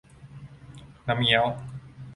น้ำเงี้ยว